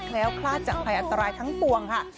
ล้วคลาดจากภัยอันตรายทั้งปวงค่ะ